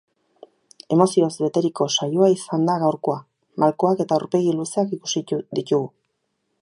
Emozioz beteriko saioa izan da gaurkoa, malkoak eta aurpegi luzeak ikusi ditugu.